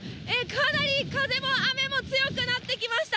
かなり風も雨も強くなってきました。